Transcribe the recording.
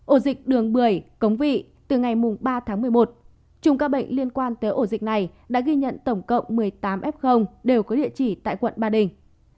ổ dịch đường bưởi cống vị từ ngày ba tháng một mươi một chung các bệnh liên quan tới ổ dịch này đã ghi nhận tổng cộng một mươi tám f đều có địa chỉ tại quận ba đình